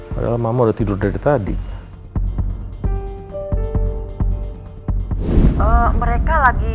mereka lagi cari orang ya pak